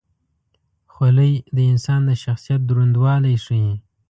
خولۍ د انسان د شخصیت دروندوالی ښيي.